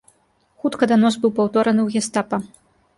Хутка данос быў паўтораны ў гестапа.